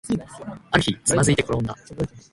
ある日、つまずいてころんだ